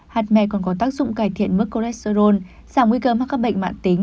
hạt mè còn có tác dụng cải thiện mức cholesterol giảm nguy cơ mắc các bệnh mạng tính